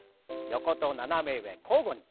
横と斜め上交互に。